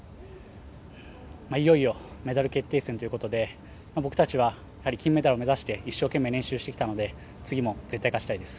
いよいよメダル決定戦ということで僕たちはやはり金メダルを目指して一生懸命練習してきたので次も絶対に勝ちたいです。